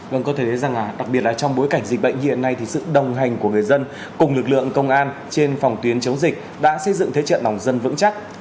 vâng có thể thấy rằng đặc biệt là trong bối cảnh dịch bệnh như hiện nay thì sự đồng hành của người dân cùng lực lượng công an trên phòng tuyến chống dịch đã xây dựng thế trận lòng dân vững chắc